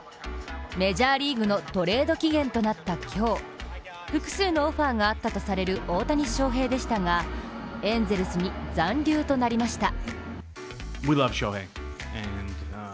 メジャーリーグのトレード期限となった今日複数のオファーがあったとされる大谷翔平でしたがエンゼルスに残留となりました。